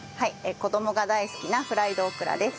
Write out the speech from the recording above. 子どもが大好きなフライドオクラです。